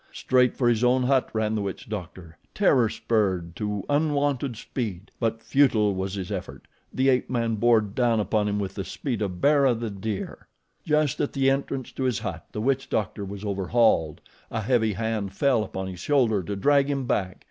Straight for his own hut ran the witch doctor, terror spurred to unwonted speed; but futile was his effort the ape man bore down upon him with the speed of Bara, the deer. Just at the entrance to his hut the witch doctor was overhauled. A heavy hand fell upon his shoulder to drag him back.